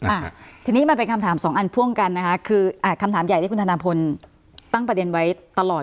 อ่าทีนี้มันเป็นคำถามสองอันพ่วงกันนะคะคืออ่าคำถามใหญ่ที่คุณธนาพลตั้งประเด็นไว้ตลอด